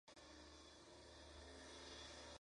Juega como volante o media punta.